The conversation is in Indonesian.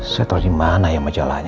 saya tau dimana ya majalahnya